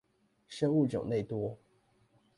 生物種類多